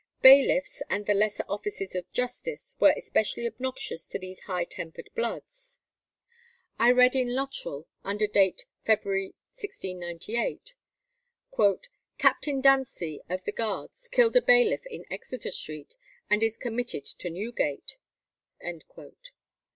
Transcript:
Bailiffs and the lesser officers of justice were especially obnoxious to these high tempered bloods. I read in "Luttrell," under date February, 1698, "Captain Dancy of the Guards killed a bailiff in Exeter Street, and is committed to Newgate."